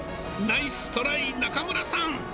ナイストライ、中村さん。